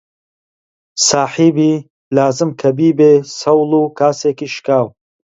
ساحیبی لازم کە بیبێ سەوڵ و کاسێکی شکاو